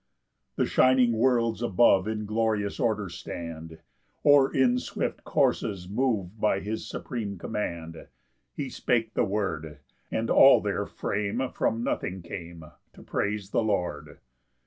3 The shining worlds above In glorious order stand, Or in swift courses move By his supreme command: He spake the word, And all their frame From nothing came To praise the Lord.